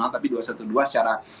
tapi dua ratus dua belas secara